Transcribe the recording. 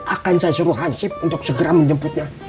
akan saya suruh hansib untuk segera menjemputnya